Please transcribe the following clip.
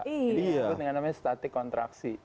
jadi disebut dengan namanya static kontraksi